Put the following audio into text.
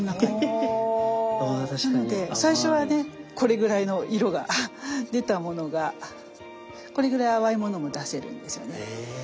なので最初はねこれぐらいの色が出たものがこれぐらい淡いものも出せるんですよね。